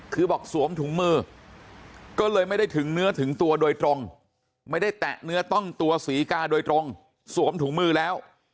คือบอกสวมถุงมือก็เลยไม่ได้ถึงเนื้อถึงตัวโดยตรงไม่ได้แตะเนื้อต้องตัวศรีกาโดยตรงสวมถุงมือแล้ว